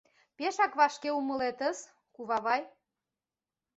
— Пешак вашке умылетыс, кувавай...